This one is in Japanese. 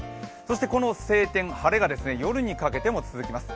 この晴天、晴れが夜にかけても続きます。